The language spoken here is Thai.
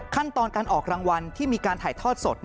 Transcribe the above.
ขั้นตอนการออกรางวัลที่มีการถ่ายทอดสด